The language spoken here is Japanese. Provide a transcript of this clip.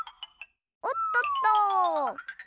おっとっと。